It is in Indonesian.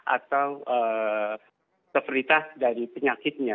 atau keferitas dari penyakitnya